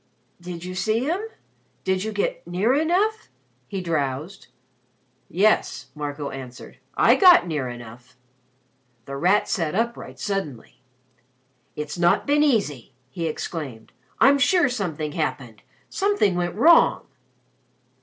"Did you see him? Did you get near enough?" he drowsed. "Yes," Marco answered. "I got near enough." The Rat sat upright suddenly. "It's not been easy," he exclaimed. "I'm sure something happened something went wrong."